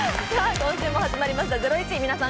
今週も始まりました『ゼロイチ』、皆さん